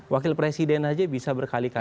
wakil presiden aja bisa berkali kali